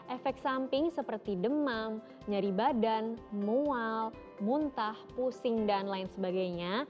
efek samping seperti demam nyeri badan mual muntah pusing dan lain sebagainya